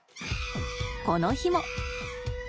この日も。